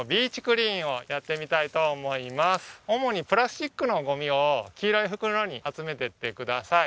主にプラスチックのゴミを黄色い袋に集めていってください。